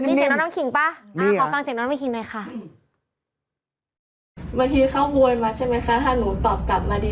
แอดไปถามน้องน้องบอกว่าอ๋อแต่ไม่ใช่ด่าเป็นการพิมพ์ด่า